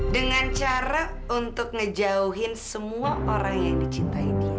dengan cara untuk ngejauhin semua orang yang dicintai dia